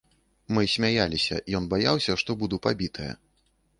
Мы смяяліся, ён баяўся, што буду пабітая.